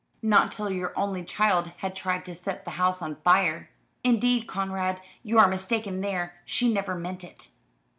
"Not till your only child had tried to set the house on fire." "Indeed, Conrad, you are mistaken there. She never meant it."